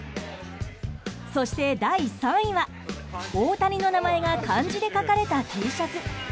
そして第３位は、大谷の名前が漢字で書かれたＴシャツ。